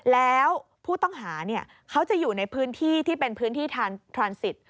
แล้วผู้ต้องหาเขาจะอยู่ในพื้นที่ที่เป็นพื้นที่ทรานสิทธิ